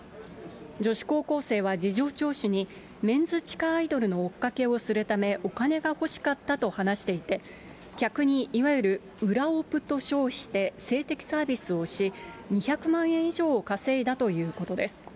女子高校生は事情聴取に、メンズ地下アイドルの追っかけをするため、お金が欲しかったと話していて、客にいわゆる裏オプと称して、性的サービスをし、２００万円以上を稼いだということです。